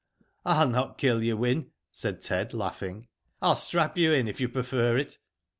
" I'll not kill you, Wyn," said Ted, laughing. " I'll strap you in, if you prefer it.